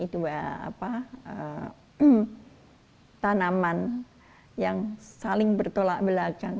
dua tanaman yang saling bertolak belakang